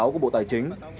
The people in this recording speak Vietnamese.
của bộ tài chính